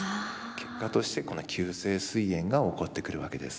結果として急性すい炎が起こってくるわけです。